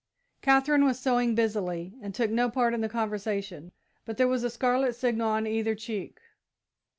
Katherine was sewing busily and took no part in the conversation, but there was a scarlet signal on either cheek.